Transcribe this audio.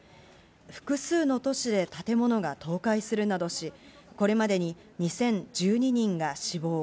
複数の都市で建物が倒壊するなどし、これまでに２０１２人が死亡。